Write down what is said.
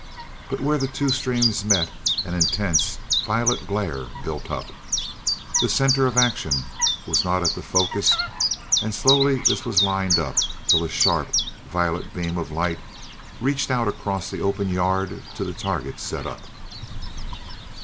But where the two streams met, an intense, violet glare built up. The center of action was not at the focus, and slowly this was lined up, till a sharp, violet beam of light reached out across the open yard to the target set up.